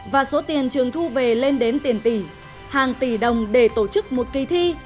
và số tiền trường thu về lên đến tiền tỷ hàng tỷ đồng để tổ chức một kỳ thi